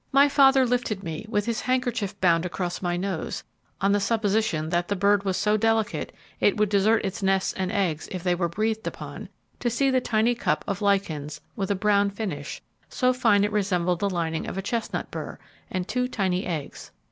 My father lifted me, with his handkerchief bound across my nose, on the supposition that the bird was so delicate it would desert its nest and eggs if they were breathed upon, to see the tiny cup of lichens, with a brown finish so fine it resembled the lining of a chestnut burr, and two tiny eggs.